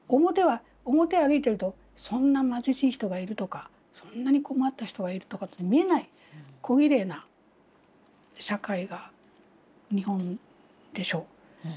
表を歩いてるとそんな貧しい人がいるとかそんなに困った人がいるとかって見えないこぎれいな社会が日本でしょ。